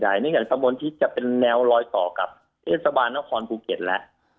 เนื่องจากตำบลที่จะเป็นแนวลอยต่อกับเทศบาลนครภูเก็ตแล้ว